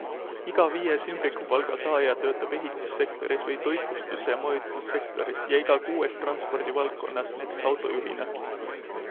Iga viies ümbrikupalga saaja töötab ehitussektoris või toitlustus- ja majutussektoris ja iga kuues transpordivaldkonnas näiteks autojuhina.